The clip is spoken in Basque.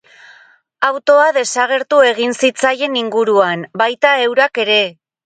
Autoa desagertu egin zitzaien inguruan, baita eurak ere.